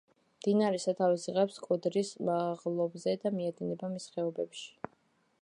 მდინარე სათავეს იღებს კოდრის მაღლობზე და მიედინება მის ხეობებში.